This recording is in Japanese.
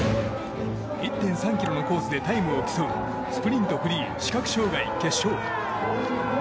１．３ｋｍのコースでタイムを競うスプリントフリー視覚障害決勝。